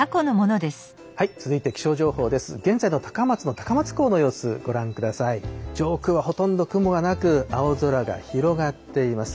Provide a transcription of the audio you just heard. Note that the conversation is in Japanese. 上空はほとんど雲がなく青空が広がっています。